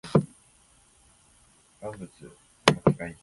万発捲って負け回避